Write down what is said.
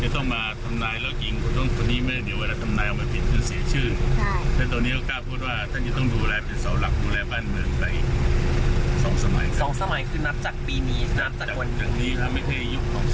สมัยนี้เป็นนับหนึ่งสมัยหนึ่ง